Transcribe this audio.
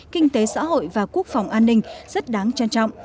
kinh tế xã hội và quốc phòng an ninh rất đáng trân trọng